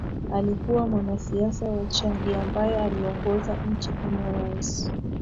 alikuwa mwanasiasa wa Chad ambaye aliongoza nchi kama Rais